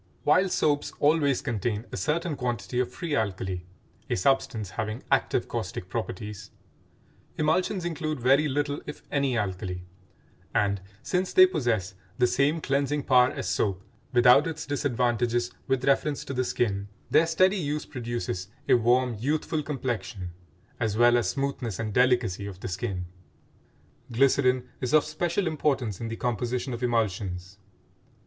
While soaps always contain a certain quantity of free alkali, a substance having active caustic properties, emulsions include very little if any alkali, and, since they possess the same cleansing power as soap without its disadvantages with reference to the skin, their steady use produces a warm youthful complexion, as well as smoothness and delicacy of the skin. Glycerin is of special importance in the composition of emulsions.